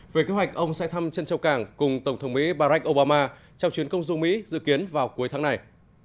về kế hoạch ông sẽ thăm trân châu cảng cùng tổng thống mỹ barack obama trong chuyến công du mỹ dự kiến vào cuối tháng này